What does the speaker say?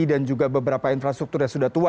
juga beberapa infrastruktur yang sudah tua